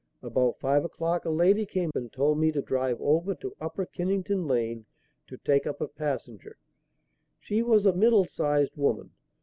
About five o'clock a lady came and told me to drive over to Upper Kennington Lane to take up a passenger. She was a middle sized woman.